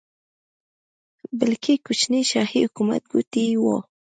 بلکې کوچني شاهي حکومت ګوټي وو.